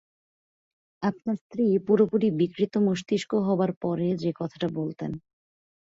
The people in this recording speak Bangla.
আপনার স্ত্রী পুরোপুরি বিকৃত মস্তিষ্ক হবার পরে যে-কথাটা বুলতেন।